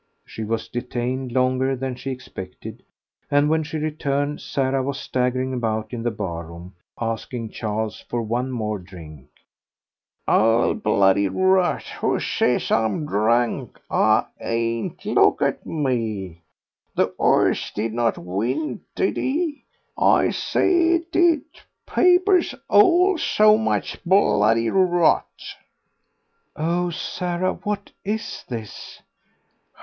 She was detained longer than she expected, and when she returned Sarah was staggering about in the bar room, asking Charles for one more drink. "All bloody rot; who says I'm drunk? I ain't... look at me. The 'orse did not win, did he? I say he did; papers all so much bloody rot." "Oh, Sarah, what is this?"